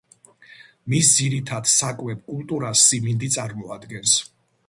მის ძირითად საკვებ კულტურას სიმინდი წარმოადგენს.